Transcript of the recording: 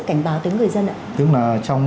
cảnh báo tới người dân ạ tức là trong